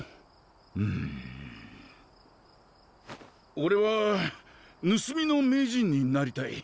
おれは盗みの名人になりたい。